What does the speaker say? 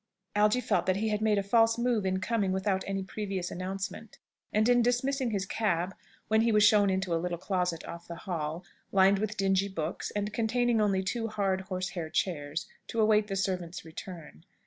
Algy felt that he had made a false move in coming without any previous announcement, and in dismissing his cab, when he was shown into a little closet off the hall, lined with dingy books, and containing only two hard horsehair chairs, to await the servant's return.